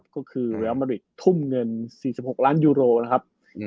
ก็คือเรียลมาริกทุ่มเงิน๔๖ล้านยูโรนะครับ